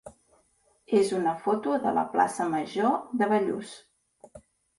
és una foto de la plaça major de Bellús.